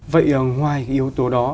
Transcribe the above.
vậy ngoài yếu tố đó